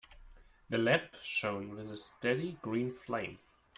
The lamp shone with a steady green flame.